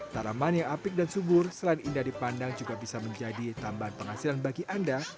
tanaman yang apik dan subur selain indah dipandang juga bisa menjadi tambahan penghasilan bagi anda